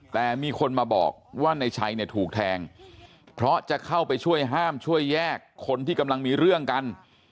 แต่มีคนมาบอกว่าในชัยเนี่ยถูกแทงเพราะจะเข้าไปช่วยห้ามช่วยแยกคนที่กำลังมีเรื่องกัน